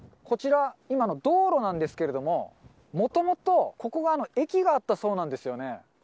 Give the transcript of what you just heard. こちら、今、道路なんですけれども、もともと、ここが駅があったそうなんですよね。